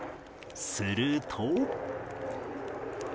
すると